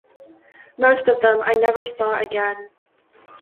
Most of them I never saw again.